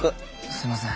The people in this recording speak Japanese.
すみません。